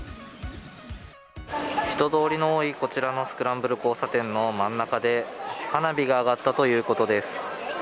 人通りの多いこちらのスクランブル交差点の真ん中で花火が上がったということです。